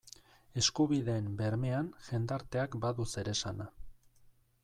Eskubideen bermean jendarteak badu zeresana.